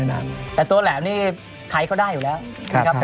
เป็นแต่ตัวแหลมนี่นะคะใครเขาได้อยู่แล้ว